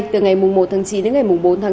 từ ngày một chín đến ngày bốn chín